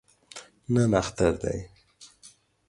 نن اختر دی